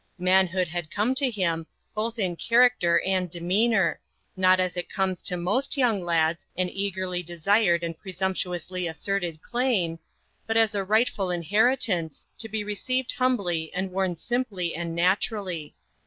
Manhood had come to him, both in character and demeanour, not as it comes to most young lads, an eagerly desired and presumptuously asserted claim, but as a rightful inheritance, to be received humbly, and worn simply and naturally.